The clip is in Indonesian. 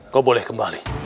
kok boleh kembali